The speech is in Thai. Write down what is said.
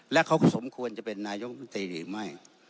และเขาก็สมควรจะเป็นนายกรุงตรีหรือไม่